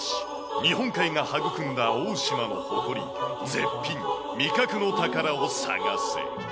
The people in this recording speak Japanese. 日本海が育んだ大島の誇り、絶品、味覚の宝を探せ。